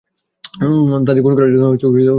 তাদের খুন করার জন্য, সুপাড়ি দোও!